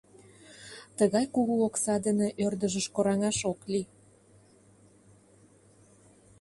— Тыгай кугу окса дене ӧрдыжыш кораҥаш ок лий.